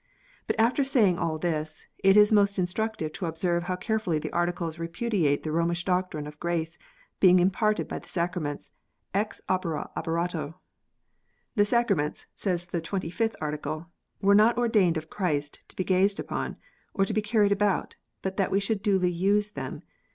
But after saying all this, it is most instructive to observe how carefully the Articles repudiate the Romish doctrine of grace being imparted by the Sacraments "ex opere operato." "The Sacraments," says the Twenty fifth Article, "were not ordained of Christ to be gazed upon, or to be carried about, but that we should duly use them.